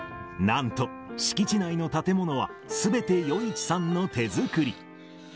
なんと敷地内の建物は、すべて余一さんの手作り。